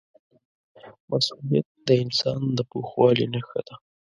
مسؤلیت د انسان د پوخوالي نښه ده.